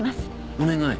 お願い？